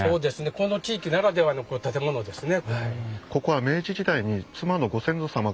この地域ならではの建物ですね。